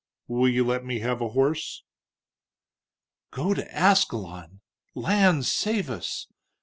"Will you let me have a horse?" "Go to Ascalon! Lands save us!"